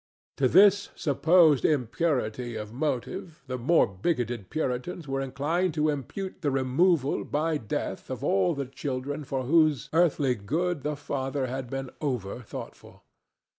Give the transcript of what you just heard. To this supposed impurity of motive the more bigoted Puritans were inclined to impute the removal by death of all the children for whose earthly good the father had been over thoughtful.